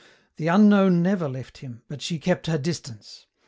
The unknown never left him, but she kept her distance.